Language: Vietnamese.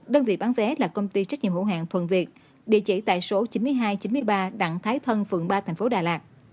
đơn vị bán vé là công ty trách nhiệm hữu hạng thuần việt địa chỉ tại số chín nghìn hai trăm chín mươi ba đặng thái thân phường ba thành phố đà lạt